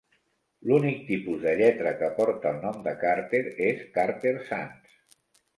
L'únic tipus de lletra que porta el nom de Carter és Carter Sans.